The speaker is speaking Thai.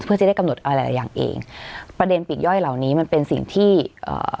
เพื่อจะได้กำหนดอะไรหลายอย่างเองประเด็นปีกย่อยเหล่านี้มันเป็นสิ่งที่เอ่อ